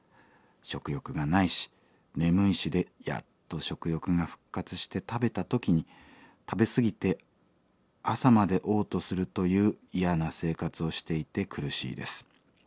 食欲がないし眠いしでやっと食欲が復活して食べた時に食べ過ぎて朝までおう吐するという嫌な生活をしていて苦しいです。